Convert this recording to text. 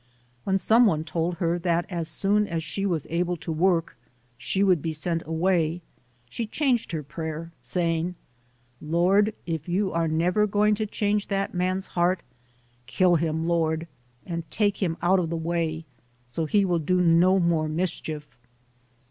When some one told her that as soon as she was able to work, she would be sent away, she changed her prayer, saying: "Lord, if you are never going to change that man's heart, kill him, Lord, and take him out of the way, so he will do no more mischief".